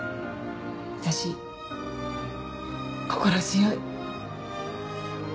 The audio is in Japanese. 私心強い。